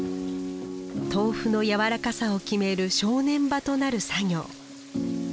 豆腐のやわらかさを決める正念場となる作業。